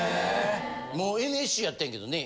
もうＮＳＣやってんけどね